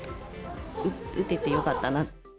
打ててよかったな。